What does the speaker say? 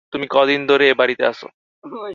তুমি কদিন ধরে এ বাড়িতে আছ?